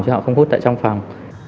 chứ họ không hút tại trong phòng